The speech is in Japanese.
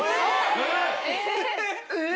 えっ？